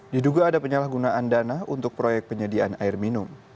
diduga ada penyalahgunaan dana untuk proyek penyediaan air minum